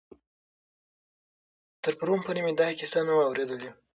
تر پرون پورې مې دا کیسه نه وه اورېدلې.